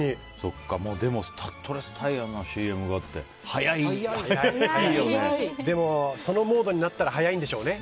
スタッドレスタイヤのＣＭがってでも、そのモードになったら早いんでしょうね。